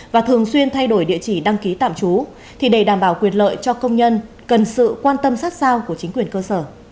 và thường xuyên thay đổi địa chỉ đăng ký tạm trú thì để đảm bảo quyền lợi cho công nhân cần sự quan tâm sát sao của chính quyền cơ sở